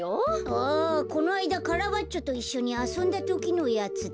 あこのあいだカラバッチョといっしょにあそんだときのやつだ。